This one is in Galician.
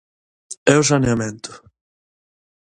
E o saneamento?